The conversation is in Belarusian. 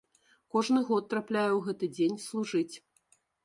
Кожны год трапляе ў гэты дзень служыць.